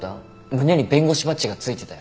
胸に弁護士バッジがついてたよ。